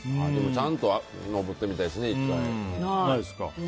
ちゃんと登ってみたいですねないですか？